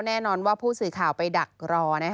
แน่นอนว่าผู้สื่อข่าวไปดักรอ